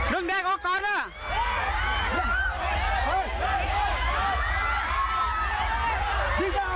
ดึงเด็กออกก่อนเนี่ย